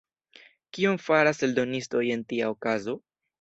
Kion faras eldonistoj en tia okazo?